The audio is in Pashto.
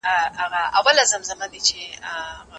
لاره ومومئ.